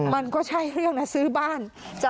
มันก็ใช่เรื่องนะซื้อบ้าน